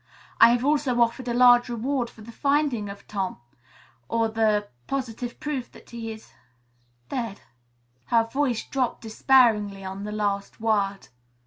I have also offered a large reward for the finding of Tom, or the positive proof that he is dead." Her voice dropped despairingly on the last word.